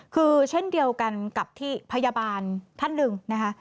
คือเช่นเดียวกันกับที่พยาบาลท่านหนึ่งนะคะ